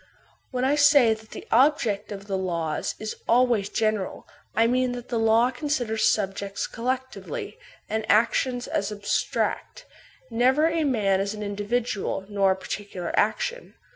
When I say that the object of the laws is always gen eral, I mean that the law considers subjects collectively, and actions as abstract, never a man as an individual nor a particular action.